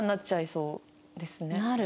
なる。